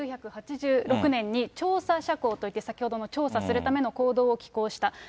１９８６年に調査斜坑と言って、先ほどの調査するための行動を起工した。